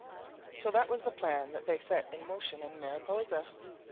So that was the plan that they set in motion in Mariposa.